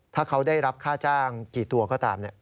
ถ้าเขาได้รับค่าจ้างกี่ตัวก็ตาม